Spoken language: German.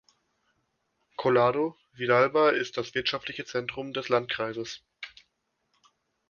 Collado Villalba ist das wirtschaftliche Zentrum des Landkreises.